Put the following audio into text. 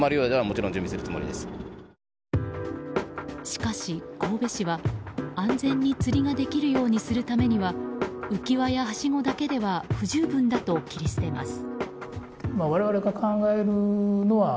しかし、神戸市は安全に釣りができるようにするためには浮き輪やはしごだけでは不十分だと切り捨てます。